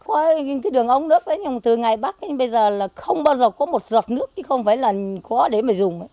có những cái đường ống nước ấy nhưng từ ngày bắc đến bây giờ là không bao giờ có một giọt nước chứ không phải là có để mà dùng